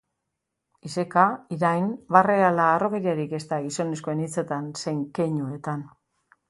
Iseka, irain, barre ala harrokeriarik ez da gizonezkoen hitzetan zein keinuetan.